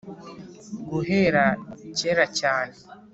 guhera cyera cyane